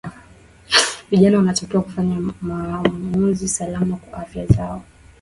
vijana wanatakiwa kufanya maamuzi salama kwa afya zao